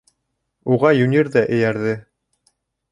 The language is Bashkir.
Уға Юнир ҙа эйәрҙе.